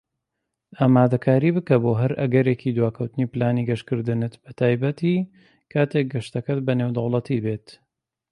ئامادەکاری بکە بۆ هەر ئەگەرێکی دواکەوتنی پلانی گەشتکردنت، بەتایبەتی کاتیک گەشتەکەت بە نێودەوڵەتی بێت.